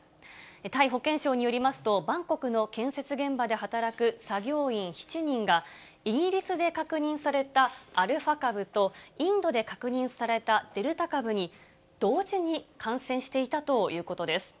タイ保健省によりますと、バンコクの建設現場で働く作業員７人が、イギリスで確認されたアルファ株と、インドで確認されたデルタ株に、同時に感染していたということです。